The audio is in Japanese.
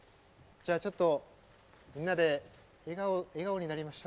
じゃあちょっとみんなで笑顔になりましょうね。